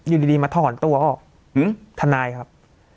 อืมทานายครับ